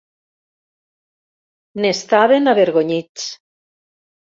N'estaven avergonyits.